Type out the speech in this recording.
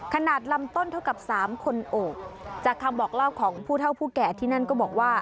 ขนาดลำต้นเท่ากับสามคนโอบจากคำบอกเล่าของผู้เท่าผู้แก่ที่นั่นก็บอกว่า